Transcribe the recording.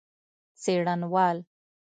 څېړنوال